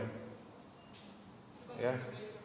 kondisi baik juga pak